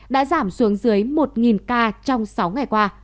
đã giảm xuống dưới một ca trong sáu ngày qua